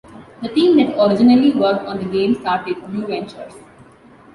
The team that originally worked on the game started new ventures.